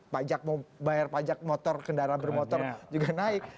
pajak mau bayar pajak motor kendaraan bermotor juga naik